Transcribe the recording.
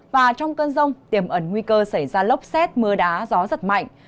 và trong cơn rông tiềm ẩn nguy cơ xảy ra lốc xét mưa đá gió giật mạnh